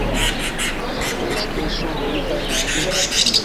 Ushtuidshun mibi cainembi